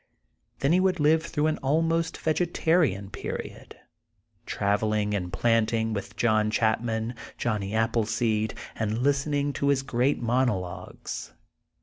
Then he would live through an almost vege tarian period, travelling and planting with John Chapman — johnny Appleseed, and lis tening to his great monologues.